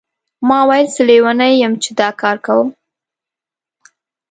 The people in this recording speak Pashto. ما ویل څه لیونی یم چې دا کار کوم.